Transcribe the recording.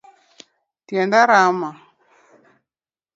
Tienda rama